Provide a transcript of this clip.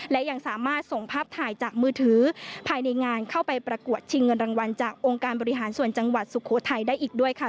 และยังสามารถส่งภาพถ่ายจากมือถือภายในงานเข้าไปประกวดชิงเงินรางวัลจากองค์การบริหารส่วนจังหวัดสุโขทัยได้อีกด้วยค่ะ